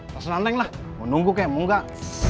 tak senang neng lah mau nunggu kayak mau gak